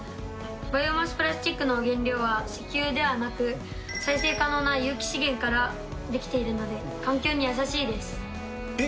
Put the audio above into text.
バイオマスプラスチックの原料は石油ではなく、再生可能な有機資源から出来ているので、環境に優しいです。え？